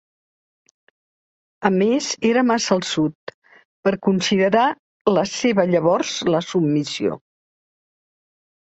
A més era massa al sud per considerar la seva llavors la submissió.